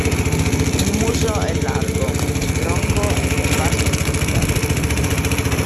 Il muso è largo, tronco e cosparso di pochi peli.